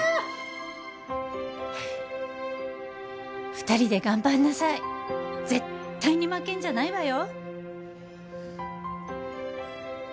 「２人で頑張んなさい」「絶対に負けんじゃないわよ！」